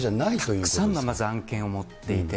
たくさんのまず案件を持っていて。